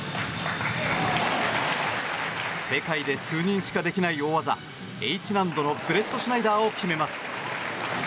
世界で数人しかできない大技Ｈ難度のブレットシュナイダーを決めます。